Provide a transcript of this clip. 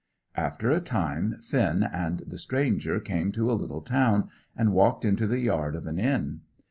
After a time, Finn and the stranger came to a little town, and walked into the yard of an inn.